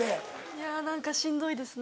いや何かしんどいですね。